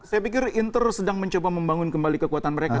saya pikir inter sedang mencoba membangun kembali kekuatan mereka